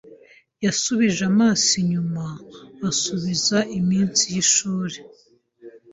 Yashubije amaso inyuma asubiza iminsi yishuri.